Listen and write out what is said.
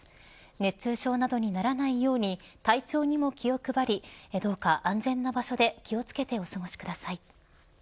熱中症などにならないように体調にも気を配りどうか安全な場所で気を付けてお過ごしください。